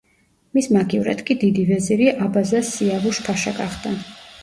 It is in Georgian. მის მაგივრად კი დიდი ვეზირი აბაზა სიავუშ-ფაშა გახდა.